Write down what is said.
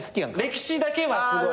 歴史だけはすごい。